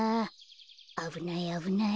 あぶないあぶない。